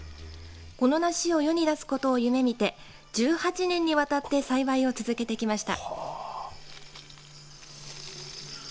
この梨を世に出すことを夢見て１８年にわたって栽培を続けてきました。